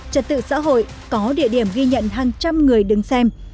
trật tự xã hội có địa điểm ghi nhận hàng trăm người đứng xem